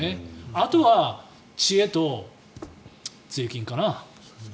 あとは知恵と税金かな。